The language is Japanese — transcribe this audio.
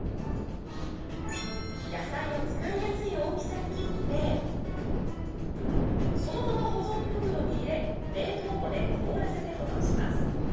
野菜を使いやすい大きさに切ってそのまま保存袋に入れ冷凍庫で凍らせて保存します。